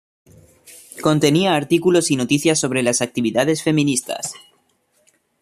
Contenía artículos y noticias sobre las actividades feministas.